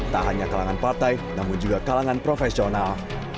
tak hanya kalangan partai namun juga kalangan profesional